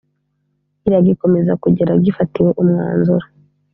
iragikomeza kugera gifatiwe umwanzuro